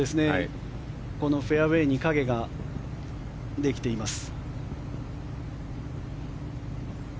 このフェアウェーに影ができています。